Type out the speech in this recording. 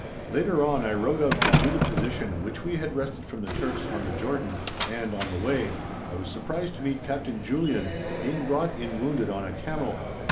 Later on I rode out to view the position which we had wrested from the Turks on the Jordan and, on the way, I was surprised to meet Captain Julian being brought in wounded on a camel.